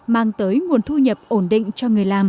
mang tới nguồn thu nhập ổn định